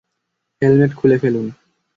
Helmet খুলে ফেলুন।